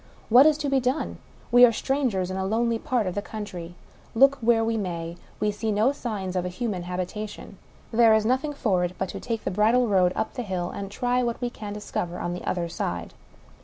*# What is to be done ? We are strangers in a lonely part , of the country. Look where we may, we see no signs of a human habitation. There is nothing for it but to take the bridle road up the hill, and try what we can discover on. ^ the other side.